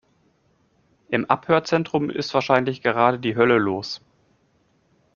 Im Abhörzentrum ist wahrscheinlich gerade die Hölle los.